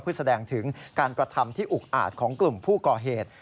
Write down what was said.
เพื่อแสดงถึงการกระทำที่อุกอาจของกลุ่มผู้ก่อเหตุ